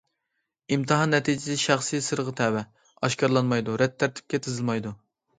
ئىمتىھان نەتىجىسى شەخسىي سىرغا تەۋە، ئاشكارىلانمايدۇ، رەت تەرتىپكە تىزىلمايدۇ.